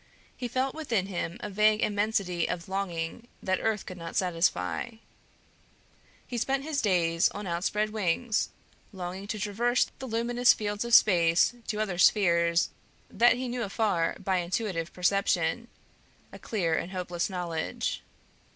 He felt within him a vague immensity of longing that earth could not satisfy. He spent his days on outspread wings, longing to traverse the luminous fields of space to other spheres that he knew afar by intuitive perception, a clear and hopeless knowledge.